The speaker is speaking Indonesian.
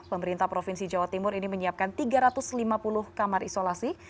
pemerintah provinsi jawa timur ini menyiapkan tiga ratus lima puluh kamar isolasi